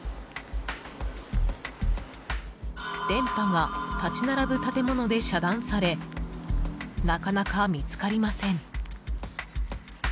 電波が立ち並ぶ建物で遮断され中々、見つかりません。